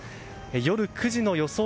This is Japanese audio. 夜９時の予想